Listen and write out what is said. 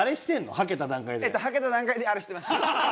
はけた段階であれしてました。